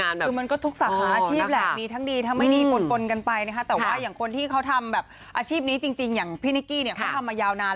อาชีพนี้จริงอย่างพี่นิกกี้เขาทำมายาวนาน